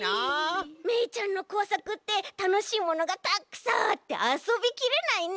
めいちゃんのこうさくってたのしいものがたくさんあってあそびきれないね。